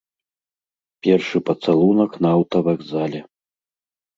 Першы пацалунак на аўтавакзале.